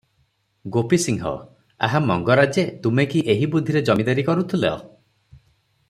ଗୋପୀ ସିଂହ - "ଆହା ମଙ୍ଗରାଜେ, ତୁମେ କି ଏହି ବୁଦ୍ଧିରେ ଜମିଦାରୀ କରୁଥିଲ?